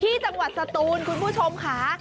ที่จำกวดศตูนคุณผู้ชมคะ